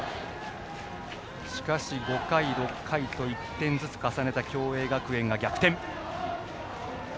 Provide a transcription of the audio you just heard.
しかし５回、６回と１点ずつ重ねた共栄学園が逆転。